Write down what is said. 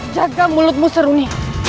jaga mulutmu seruni